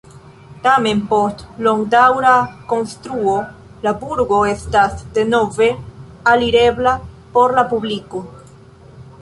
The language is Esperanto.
Tamen post longdaŭra rekonstruo la burgo estas denove alirebla por la publiko.